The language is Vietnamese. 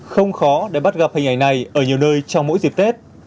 không khó để bắt gặp hình ảnh này ở nhiều nơi trong mỗi dịp tết